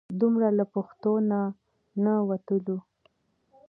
دومره له پښتو نه نه وتلو.